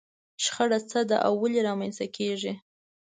شخړه څه ده او ولې رامنځته کېږي؟